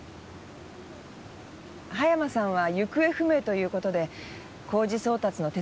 葉山さんは行方不明ということで公示送達の手続きをしています。